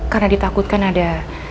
karena ditakutkan ada